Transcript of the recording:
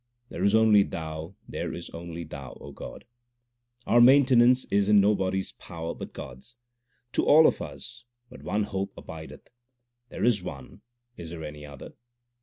There is only Thou, there is only Thou, God ! Our maintenance is in nobody s power but God s : To all of us but one hope abideth There is one : is there any other